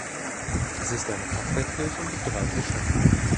Es ist eine Fachwerkkirche mit drei Geschossen.